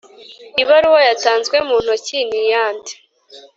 ibaruwa yatanzwe mu ntoki ni iyande